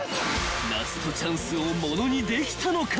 ［ラストチャンスを物にできたのか］